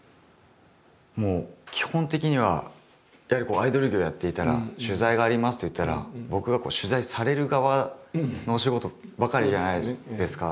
もう基本的にはやはりアイドル業をやっていたら取材がありますといったら僕がこう取材される側のお仕事ばかりじゃないですか。